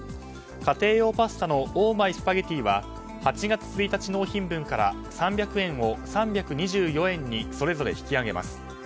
家庭用パスタのオーマイスパゲッティは８月１日納品分から３００円を３２４円にそれぞれ引き上げます。